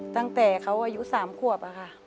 ตั้งแต่เขาอายุ๓ขวบอะค่ะ